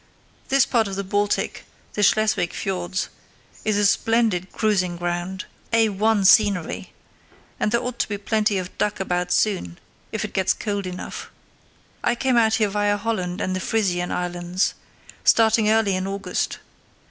This part of the Baltic—the Schleswig fiords—is a splendid cruising ground—A1 scenery—and there ought to be plenty of duck about soon, if it gets cold enough. I came out here via Holland and the Frisian Islands, starting early in August.